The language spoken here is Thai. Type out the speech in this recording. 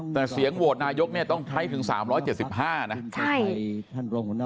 แต่เสียงโหวรนายกต้องไคร่ถึง๓๗๕นะ